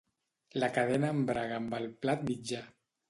La cadena embraga amb el plat mitjà.